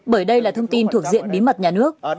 bởi đây là thông tin thuộc diện bí mật nhà nước